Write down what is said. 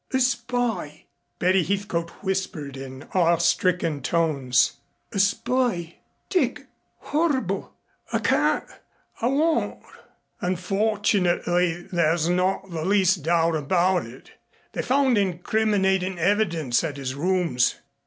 "A spy!" Betty Heathcote whispered in awestricken tones. "A spy Dick! Horrible! I can't I won't " "Unfortunately there's not the least doubt about it. They found incriminating evidence at his rooms."